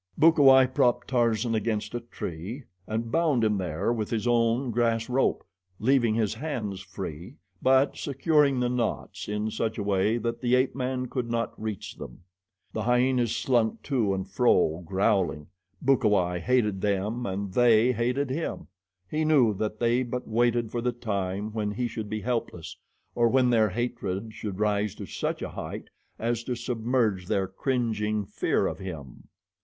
Bukawai propped Tarzan against a tree and bound him there with his own grass rope, leaving his hands free but securing the knots in such a way that the ape man could not reach them. The hyenas slunk to and fro, growling. Bukawai hated them and they hated him. He knew that they but waited for the time when he should be helpless, or when their hatred should rise to such a height as to submerge their cringing fear of him.